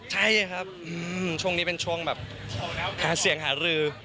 ใช่ครับช่วงนี้เป็นช่วงแบบหาเสียงหารือ